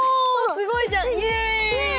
すごいじゃん！